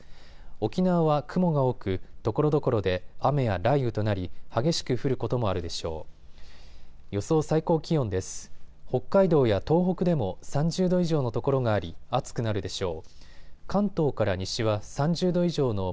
沖縄は雲が多くところどころで雨や雷雨となり激しく降ることもあるでしょう。